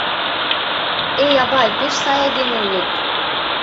— Эй, авай, пеш сай айдеме улыт.